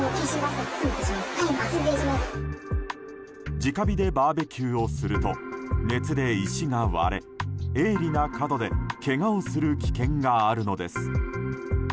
直火でバーベキューをすると熱で石が割れ鋭利な角でけがをする危険があるのです。